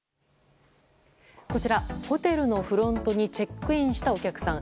こちら、ホテルのフロントにチェックインしたお客さん。